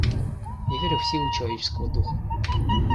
Я верю в силу человеческого духа».